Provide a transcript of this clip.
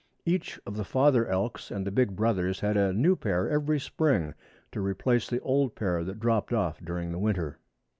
Each of the father elks and the big brothers had a new pair every spring to replace the old pair that dropped off during the winter.